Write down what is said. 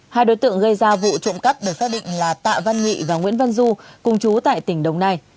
hai đối tượng gây ra vụ trộm cắp được xác định là tạ văn nghị và nguyễn văn du cùng chú tại tỉnh đồng nai